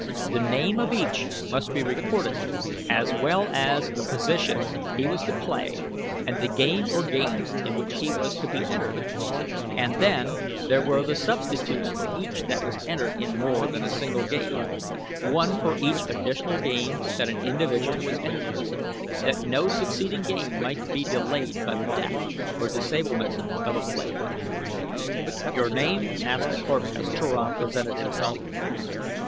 The name of each must be recorded as well as the position he was to play and the game or games in which he was to be entered, and then there were the substitutes for each that was entered in more than a single game one for each additional game that an individual was entered for, that no succeeding game might be delayed by the death or disablement of a player. "Your name?" asked a clerk as Turan presented himself.